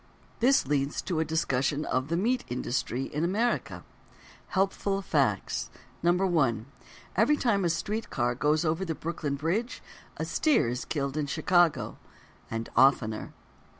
This leads to a discussion of: "The Meat Industry in America." Helpful Facts: 1. Every time a street car goes over the Brooklyn Bridge, a steer is killed in Chicago—and oftener.